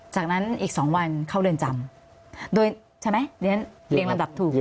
จากนั้นอีก๒วันเข้าเรือนจำโดยใช่ไหมเรียนเรียงลำดับถูก